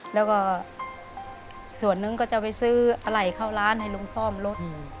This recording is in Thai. แล้วก็ส่วนหนึ่งก็จะไปซื้ออะไรเข้าร้านให้ลุงซ่อมรถ